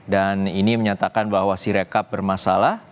dan ini menyatakan bahwa si rekap bermasalah